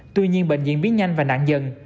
tuy nhiên bệnh viện biến nhanh và nạn dần